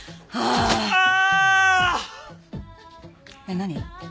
えっ何？